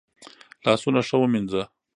لاسونه ښه ومینځه.